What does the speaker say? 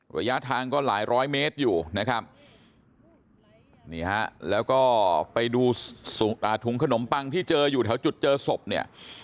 ระยะทางก็หลายร้อยเมตรอยู่นะครับนี่ฮะแล้วก็ไปดูถุงขนมปังที่เจออยู่แถวจุดเจอศพเนี่ย